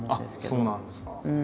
あっそうなんですか。